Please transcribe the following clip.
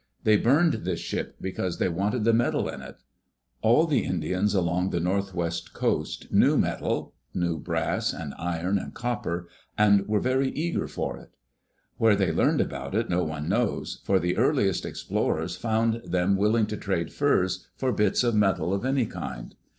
They burned this ship because they wanted the metal in it. All the Indians along the Northwest Coast knew metal — knew brass, and iron, and copper — and were very eager for it. Where they learned about it no one knows, for the earliest explorers found them willing to trade furs for bits of metal of any kind.